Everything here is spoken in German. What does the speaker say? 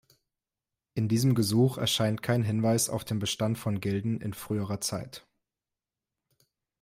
In diesem Gesuch erscheint kein Hinweis auf den Bestand von Gilden in früherer Zeit.